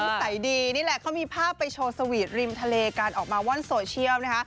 หุ่นล่ำนิสัยดีนี่แหละเขามีภาพไปโชว์สวีทริมทะเลการออกมาว่อนโซเชียม